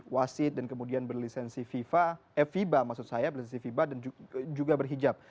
wasit dan kemudian berlisensi fiba dan juga berhijab